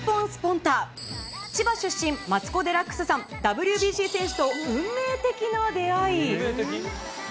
千葉出身、マツコ・デラックスさん、ＷＢＣ選手と運命的な出会い。